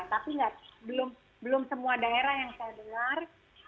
tapi belum semua daerah yang saya dengar